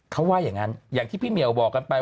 เขาว่าอย่างนั้นอย่างที่พี่เหมียวบอกกันไป